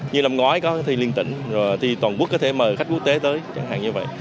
như năm ngoái có thì liên tỉnh rồi thì toàn quốc có thể mời khách quốc tế tới chẳng hạn như vậy